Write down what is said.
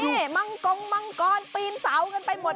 นี่มังกงมังกรปีนเสากันไปหมด